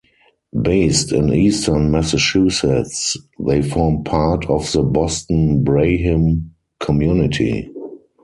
Based in eastern Massachusetts, they formed part of the Boston Brahmin community.